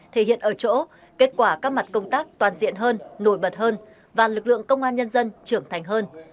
thể hiện ở chỗ kết quả các mặt công tác toàn diện hơn nổi bật hơn và lực lượng công an nhân dân trưởng thành hơn